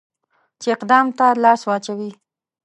چې اقدام ته لاس واچوي.